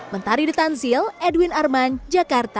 mentari ditanzil edwin arman jakarta